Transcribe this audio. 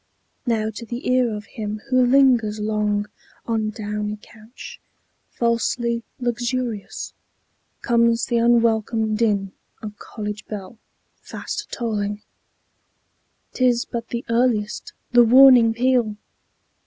Now to the ear of him who lingers long On downy couch, "falsely luxurious," Comes the unwelcome din of college bell Fast tolling. ..... "'T is but the earliest, the warning peal!"